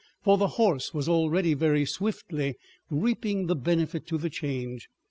For the horse was already very swiftly reaping the benefit to the Change.